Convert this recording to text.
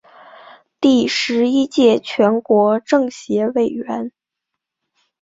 第十一届全国政协委员。